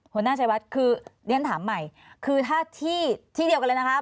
หัวหน้าชัยวัดคือเรียนถามใหม่คือถ้าที่เดียวกันเลยนะคะ